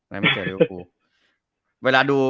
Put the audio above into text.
และไม่เจอริวฟู